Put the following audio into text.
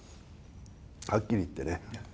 はっきり言ってね。